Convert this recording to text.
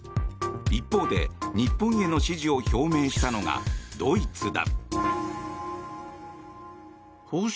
一方で日本への支持を表明したのがドイツだ。